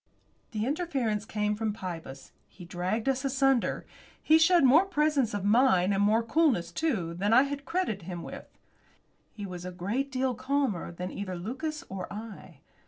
The interference came from Pybus. He dragged us asunder. He showed more presence of mind, and more coolness, too, than I had credited him with. He was a great deal calmer than either Lucas or I.